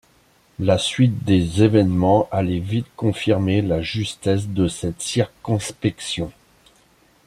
La suite des événements allait vite confirmer la justesse de cette circonspection.